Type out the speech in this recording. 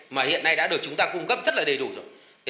mà hiện nay đã được chúng ta cung cấp rất là đầy đủ rồi